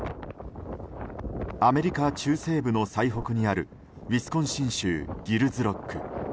アメリカ中西部の最北にあるウィスコンシン州ギルズロック。